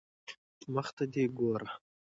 مخ ته دي ګوره